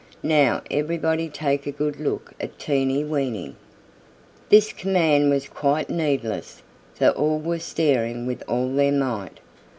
Now everybody take a good look at Teeny Weeny." This command was quite needless, for all were staring with all their might.